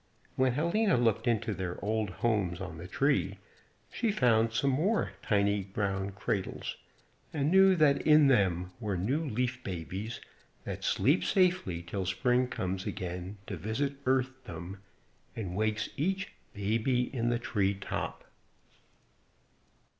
When Helena looked into their old homes on the tree, she found some more tiny brown cradles, and knew that in them were new leaf babies that sleep safely til Spring comes again to visit Earthdom, and wakes each "baby in the tree top."